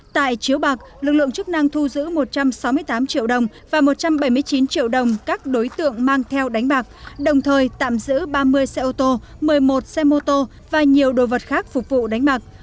tại chiếu bạc lực lượng chức năng thu giữ một trăm sáu mươi tám triệu đồng và một trăm bảy mươi chín triệu đồng các đối tượng mang theo đánh bạc đồng thời tạm giữ ba mươi xe ô tô một mươi một xe mô tô và nhiều đồ vật khác phục vụ đánh bạc